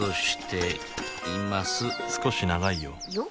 少し長いよよ？